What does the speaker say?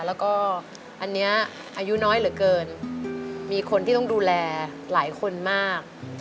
แล้วก็อันนี้อายุน้อยเหลือเกินมีคนที่ต้องดูแลหลายคนมาก